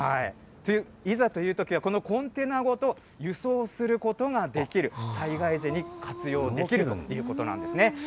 いざというときは、このコンテナごと輸送することができる、災害時に活用できるということなんですね。